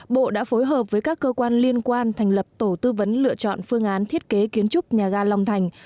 bộ đã phối hợp với các cơ quan liên quan thành lập tổ tư vấn lựa chọn phương án thiết kế kiến trúc nhà ga long thành